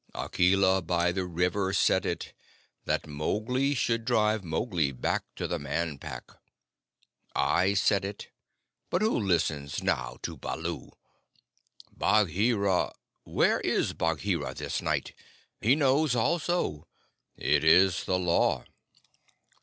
"Akela by the river said it, that Mowgli should drive Mowgli back to the Man Pack. I said it. But who listens now to Baloo? Bagheera where is Bagheera this night? he knows also. It is the Law."